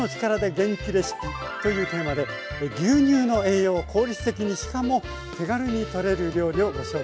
元気レシピ」というテーマで牛乳の栄養を効率的にしかも手軽に取れる料理をご紹介していきます。